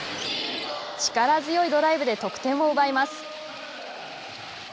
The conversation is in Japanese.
力強いドライブで得点を奪います。